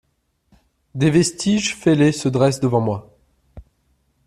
Des vestiges fêlés se dressent devant moi.